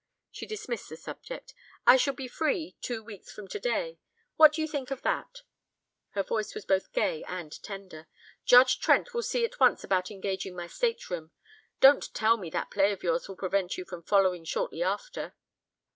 She dismissed the subject. "I shall be free two weeks from today. What do you think of that?" Her voice was both gay and tender. "Judge Trent will see at once about engaging my stateroom. Don't tell me that that play of yours will prevent you from following shortly after."